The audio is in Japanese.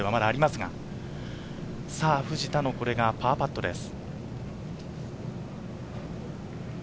さぁ、藤田のこれがパーパットです。